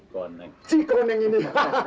kawasan desa cikoneng ini